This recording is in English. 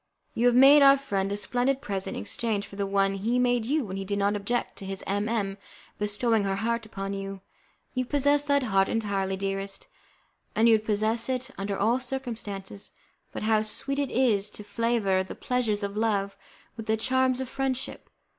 You have made our friend a splendid present in exchange for the one he made you when he did not object to his M M bestowing her heart upon you. You possess that heart entirely, dearest, and you would possess it under all circumstances, but how sweet it is to flavour the pleasures of love with the charms of friendship!